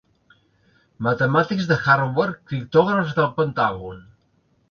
Matemàtics de Harvard, criptògrafs del Pentàgon...